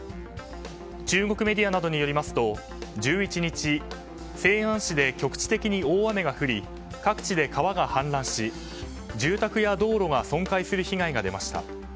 中国メディアなどによりますと１１日、西安市で局地的に大雨が降り各地で川が氾濫し住宅や道路が損壊する被害が出ました。